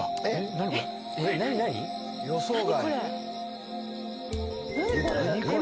何これ？